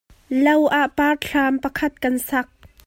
Lo ah parthlam pakhat kan sak.